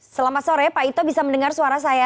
selamat sore pak ito bisa mendengar suara saya